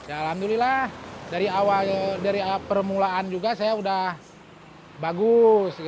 alhamdulillah dari permulaan juga saya sudah bagus